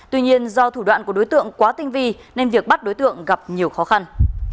tuy nhiên do thủ đoạn của đối tượng quá tinh vi nên việc bắt đối tượng gặp nhiều khó khăn